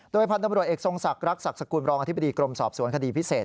โดยพันธุ์บริษัทเอกทรงศักดิ์รักษกษกุลรองอธิบดีกรมสอบสวนคดีพิเศษ